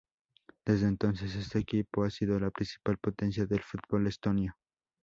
Desde entonces, este equipo ha sido la principal potencia del fútbol estonio.